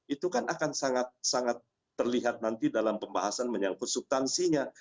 itu kan akan sangat sangat terlihat nanti dalam pembahasan menyangkut subtansinya